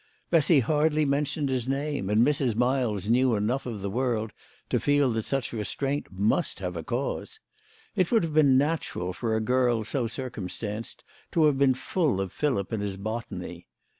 Bessy hardly mentioned his name, and Mrs. Miles knew enough of the world to feel that such restraint must have a cause. It would have been natural for a girl so circumstanced to have been full of Philip and his botany.